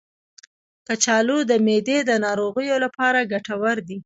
کچالو د معدې د ناروغیو لپاره ګټور دی.